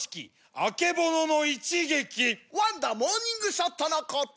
あけぼのの一撃「ワンダモーニングショット」のこと